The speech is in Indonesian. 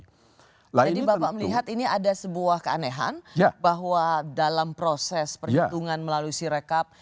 jadi bapak melihat ini ada sebuah keanehan bahwa dalam proses perhitungan melalui sirikap